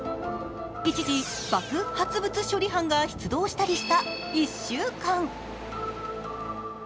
一時、爆発物処理班が出動したりした一週間。